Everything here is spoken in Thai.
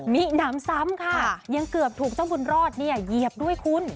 หนำซ้ำค่ะยังเกือบถูกเจ้าบุญรอดเนี่ยเหยียบด้วยคุณ